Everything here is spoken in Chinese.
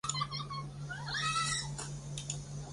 透射系数是透射值与入射值的比率。